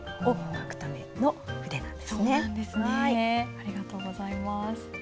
ありがとうございます。